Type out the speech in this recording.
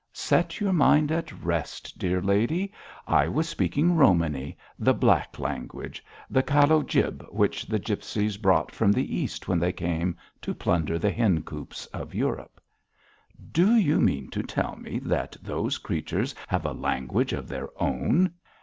'Set your mind at rest, dear lady, I was speaking Romany the black language the calo jib which the gipsies brought from the East when they came to plunder the hen coops of Europe.' 'Do you mean to tell me that those creatures have a language of their own?'